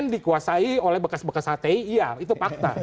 dikuasai oleh bekas bekas hti iya itu fakta